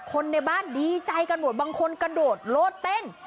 คนในบ้านดีใจกันหมดบางคนกระโดดโลดเต้น